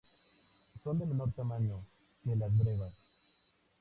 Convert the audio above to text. Son de menor tamaño que las brevas.